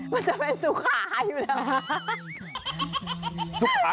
มันจะเป็นสุขาอยู่แล้วหรือเปล่า